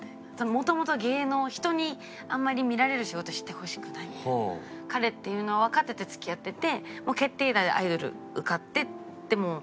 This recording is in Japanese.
元々芸能人にあんまり見られる仕事をしてほしくない彼っていうのをわかってて付き合っててもう決定打でアイドル受かってってもう。